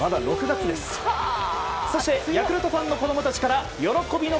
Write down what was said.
そして、ヤクルトファンの子供たちからせーの。